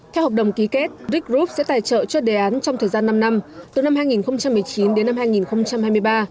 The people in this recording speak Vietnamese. theo hợp đồng ký kết ric group sẽ tài trợ cho đề án trong thời gian năm năm từ năm hai nghìn một mươi chín đến năm hai nghìn hai mươi ba